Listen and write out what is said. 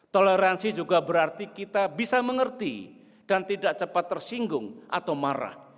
toleransi juga berarti kita bisa mengerti dan tidak cepat tersinggung atau marah